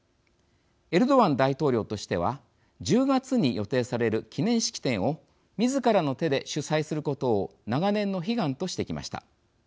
エルドアン大統領としては１０月に予定される記念式典をみずからの手で主催することを長年の悲願としてきました。